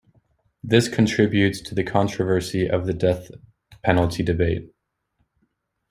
This contributes to the controversy of the death penalty debate.